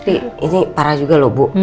ini parah juga bu